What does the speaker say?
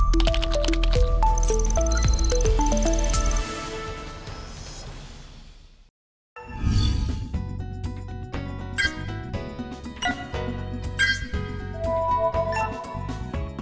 hẹn gặp lại